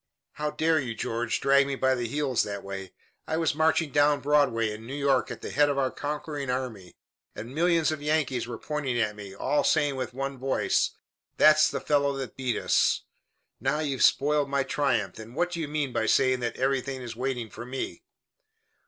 "How dare you, George, drag me by the heels that way? I was marching down Broadway in New York at the head of our conquering army, and millions of Yankees were pointing at me, all saying with one voice: 'That's the fellow that beat us.' Now you've spoiled my triumph. And what do you mean by saying that everything is waiting for me?"